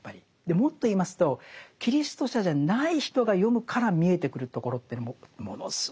もっと言いますとキリスト者じゃない人が読むから見えてくるところっていうのもものすごく豊かにあると思うんです。